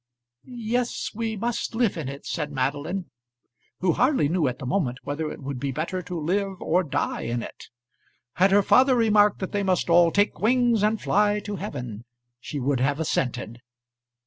"Yes, we must live in it," said Madeline, who hardly knew at the moment whether it would be better to live or die in it. Had her father remarked that they must all take wings and fly to heaven, she would have assented.